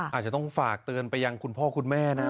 อาจจะต้องฝากเตือนไปยังคุณพ่อคุณแม่นะ